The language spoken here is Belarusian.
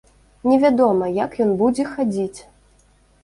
Невядома, як ён будзе хадзіць.